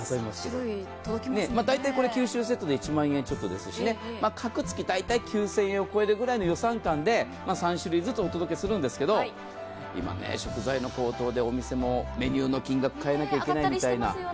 九州セットで１万円ちょっとですし各月、だいたい９０００円を超えるくらいの予算間で３種類ずつお届けするんですが今、食材の高騰でお店もメニューの金額考えなきゃいけないとか。